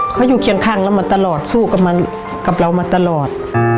เขาอยู่เคียงข้างแล้วมาตลอดสู้มาตลอด